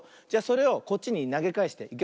じゃそれをこっちになげかえして。